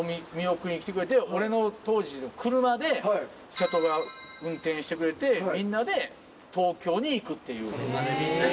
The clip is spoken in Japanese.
俺の当時の車で瀬戸が運転してくれてみんなで東京に行くっていう。